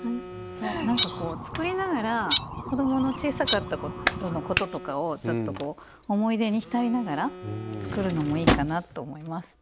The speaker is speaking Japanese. なんかこう作りながら子どもの小さかった頃のこととかをちょっとこう思い出に浸りながら作るのもいいかなと思います。